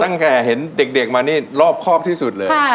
ตั้งแต่เห็นเด็กมานี่รอบครอบที่สุดเลย